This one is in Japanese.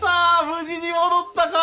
無事に戻ったか！